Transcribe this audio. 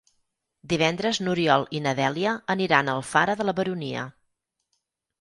Divendres n'Oriol i na Dèlia aniran a Alfara de la Baronia.